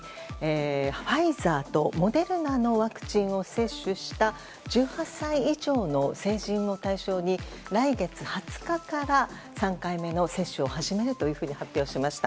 ファイザーとモデルナのワクチンを接種した１８歳以上の成人を対象に来月２０日から３回目の接種を始めるというふうに発表しました。